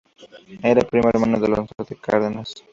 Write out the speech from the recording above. Era primo hermano de Alonso de Cárdenas.